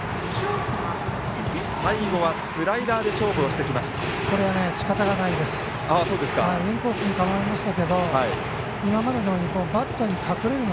最後はスライダーで勝負をしてきました。